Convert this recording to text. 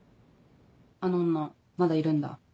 あの女まだいるんだ？